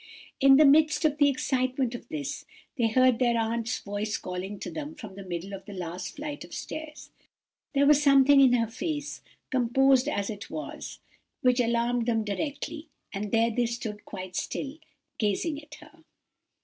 "In the midst of the excitement of this, they heard their aunt's voice calling to them from the middle of the last flight of stairs. There was something in her face, composed as it was, which alarmed them directly, and there they stood quite still, gazing at her.